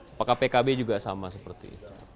apakah pkb juga sama seperti itu